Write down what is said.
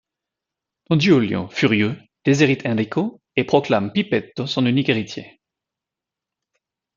Don Giulio, furieux, déshérite Enrico et proclame Pippetto son unique héritier.